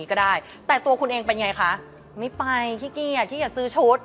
ก็ได้แต่ตัวคุณเองเป็นยังไงคะไม่ไปขี้เกียจขี้เกียจซื้อชุด